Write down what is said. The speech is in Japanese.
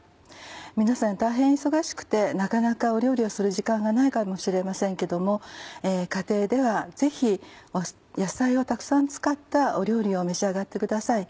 皆さん大変忙しくてなかなか料理をする時間がないかもしれませんけども家庭ではぜひ野菜をたくさん使った料理を召し上がってください。